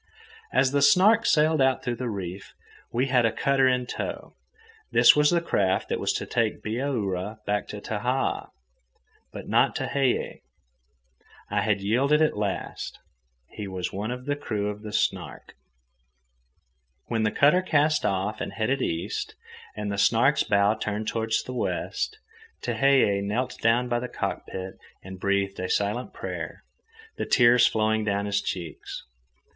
As the Snark sailed out through the reef, she had a cutter in tow. This was the craft that was to take Bihaura back to Tahaa—but not Tehei. I had yielded at last, and he was one of the crew of the Snark. When the cutter cast off and headed east, and the Snark's bow turned toward the west, Tehei knelt down by the cockpit and breathed a silent prayer, the tears flowing down his cheeks.